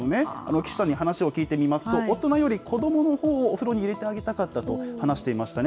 記者に話を聞いてみますと、大人より子どものほうをお風呂に入れてあげたかったと話していましたね。